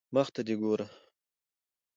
مخ ته دي ګوره